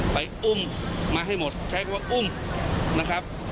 ไปอุ้มมาให้หมดใช้คำว่าอุ้มนะครับ